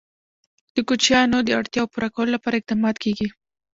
د کوچیانو د اړتیاوو پوره کولو لپاره اقدامات کېږي.